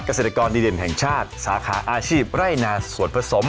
เกษตรกรดีเด่นแห่งชาติสาขาอาชีพไร่นาสวนผสม